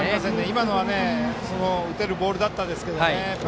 今のは打てるボールだったんですけどね